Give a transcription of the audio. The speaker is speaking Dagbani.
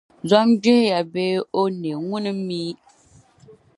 Zom’ gbihiya bee o ne ŋuna m-mi?